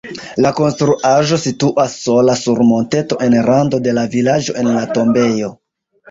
La konstruaĵo situas sola sur monteto en rando de la vilaĝo en la tombejo.